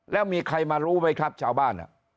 แล้วมีใครมารู้ไหมครับชาวบ้าน